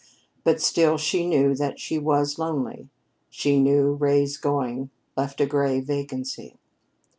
But still, she knew that she was lonely; she knew Ray's going left a gray vacancy.